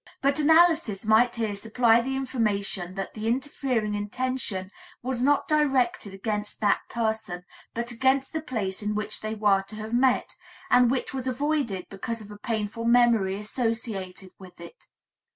But analysis might here supply the information that the interfering intention was not directed against that person, but against the place in which they were to have met, and which was avoided because of a painful memory associated with it.